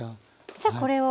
じゃあこれを。